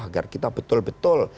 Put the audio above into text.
agar kita betul betul